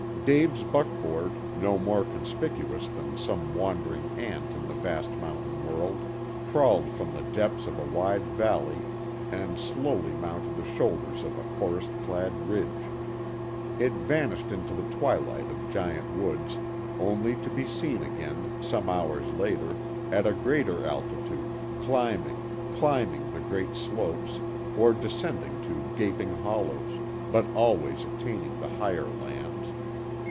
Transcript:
Dave's buckboard, no more conspicuous than some wandering ant in the vast mountain world, crawled from the depths of a wide valley and slowly mounted the shoulders of a forest clad ridge. It vanished into the twilight of giant woods, only to be seen again, some hours later, at a greater altitude, climbing, climbing the great slopes, or descending to gaping hollows, but always attaining the higher lands.